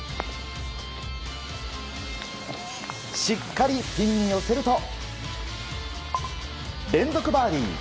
しっかりピンに寄せると連続バーディー！